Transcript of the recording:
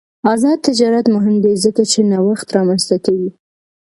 آزاد تجارت مهم دی ځکه چې نوښت رامنځته کوي.